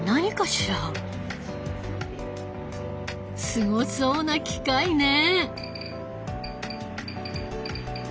すごそうな機械ね。